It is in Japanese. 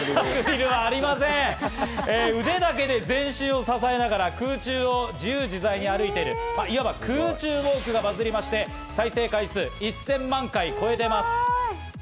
腕だけで全身を支えながら空中を自由自在に歩いている、いわば空中ウォークがバズりまして、再生回数は１０００万回を超えています。